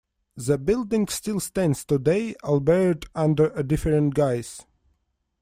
The building still stands today, albeit under a different guise.